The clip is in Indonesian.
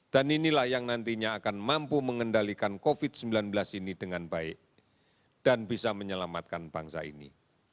dan inilah yang nantinya akan mampu mengendalikan covid sembilan belas ini dengan baik dan bisa menyelamatkan bangsa ini